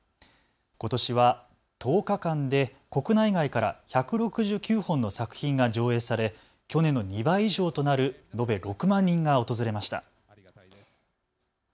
ことしは１０日間で国内外から１６９本の作品が上映され去年の２倍以上となる延べ６万人が訪れました。